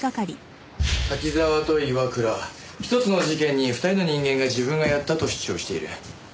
滝沢と岩倉１つの事件に２人の人間が自分がやったと主張している。